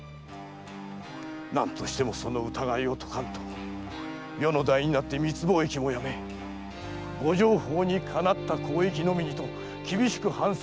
何としてもその疑いを解かんと余の代になって密貿易もやめご定法に適った交易のみにと厳しく藩政を改めて参ったものを。